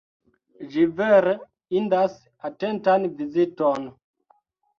Ĝi vere indas atentan viziton.